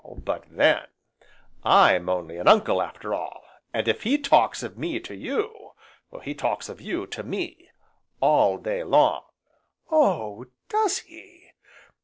"But then I'm only an uncle, after all, and if he talks of me to you, he talks of you to me, all day long." "Oh, does he!"